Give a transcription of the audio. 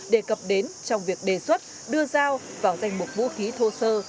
đề cập đến trong việc đề xuất đưa dao vào danh mục vũ khí thô sơ